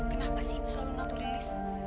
kenapa sih ibu sholat membantu lilis